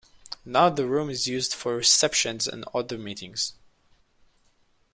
Now the room is used for receptions and other meetings.